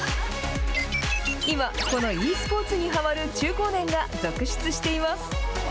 今、このｅスポーツにはまる中高年が続出しています。